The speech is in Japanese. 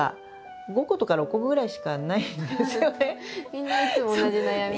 みんないつも同じ悩みを。